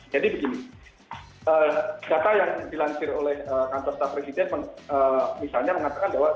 jadi begini data yang dilansir oleh kantor staf presiden misalnya mengatakan bahwa